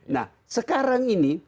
nah sekarang ini